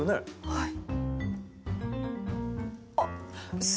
はい。